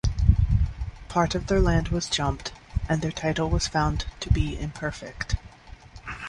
Part of their land was jumped, and their title was found to be imperfect.